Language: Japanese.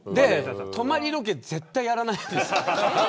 泊まりロケ絶対やらないんですよ。